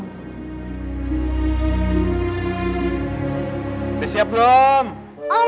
tante siap belum